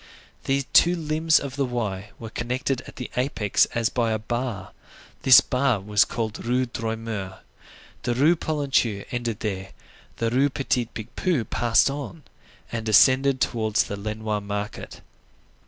The two limbs of the Y were connected at the apex as by a bar; this bar was called Rue Droit Mur. The Rue Polonceau ended there; Rue Petit Picpus passed on, and ascended towards the Lenoir market.